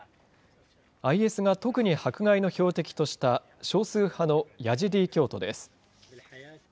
ＩＳが特に迫害の標的とした、少数派のヤジディ教徒です。